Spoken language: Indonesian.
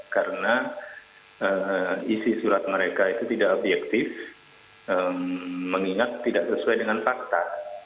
karena isi surat mereka itu tidak objektif mengingat tidak sesuai dengan fakta